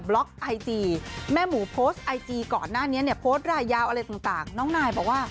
ล็อกไอจีแม่หมูโพสต์ไอจีก่อนหน้านี้เนี่ยโพสต์รายยาวอะไรต่างน้องนายบอกว่า